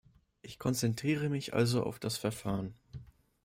Ich konzentriere mich also auf das Verfahren.